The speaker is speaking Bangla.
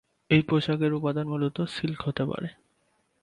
এই পোশাকের উপাদান মূলত সিল্ক হতে পারে।